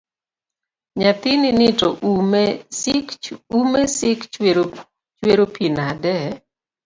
Nyathinini to ume sik chwer pi nade?